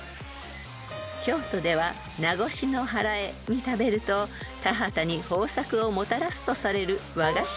［京都では夏越の祓に食べると田畑に豊作をもたらすとされる和菓子があります］